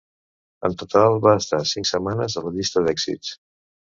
En total va estar cinc setmanes a la llista d'èxits.